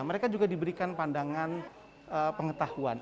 mereka juga diberikan pandangan pengetahuan